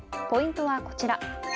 ポイントはこちら。